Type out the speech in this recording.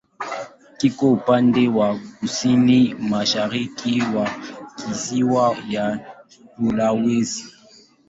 Kiko upande wa kusini-mashariki wa kisiwa cha Sulawesi.